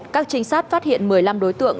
các trinh sát phát hiện một mươi năm đối tượng